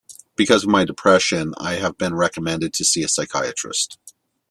Because of my depression, I have been recommended to see a psychiatrist.